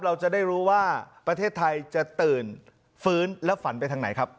เราจะได้รู้ว่าประเทศไทยจะตื่นฟื้นและฝันไปทางไหนครับ